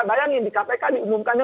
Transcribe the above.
bayangin di kpk diumumkannya